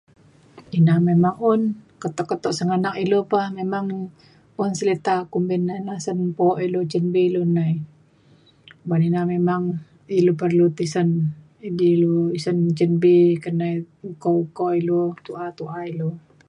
ina memang un keto keto sengganak ilu pa un selita kumbin ida sen po ilu cin bi ilu nai. ban ina memang ilu perlu tisen edi ilu tisen cin bi nai uko uko ilu tu’a tu’a ilu.